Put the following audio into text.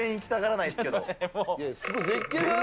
すごい、絶景だよ？